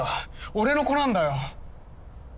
俺の子なんだよ。